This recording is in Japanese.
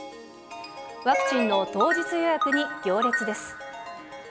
ワクチンの当日予約に行列です。